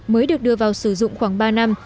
mới được đưa vào sử dụng khoảng ba năm